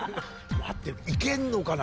待っていけんのかな？